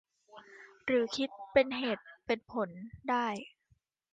หรือคิดเป็นเหตุเป็นผลได้